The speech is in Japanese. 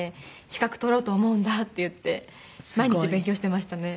「資格取ろうと思うんだ」って言って毎日勉強してましたね。